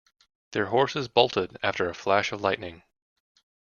Their horses bolted after a flash of lightning.